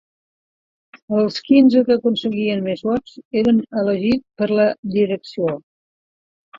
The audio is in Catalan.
Els quinze que aconseguien més vots eren elegits per a la direcció.